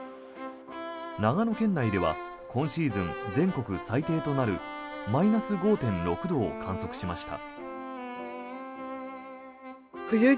長野県内では今シーズン全国最低となるマイナス５．６度を観測しました。